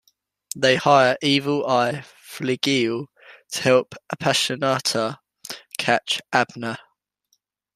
They hire Evil Eye Fleagle to help Appasionata catch Abner.